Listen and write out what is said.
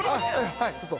はいちょっと。